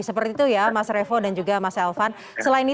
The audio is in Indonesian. seperti itu ya mas revo dan juga mas elvan